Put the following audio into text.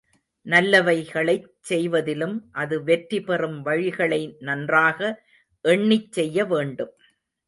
நல்லவைகளைச் செய்வதிலும் அது வெற்றி பெறும் வழிகளை நன்றாக எண்ணிச் செய்யவேண்டும்.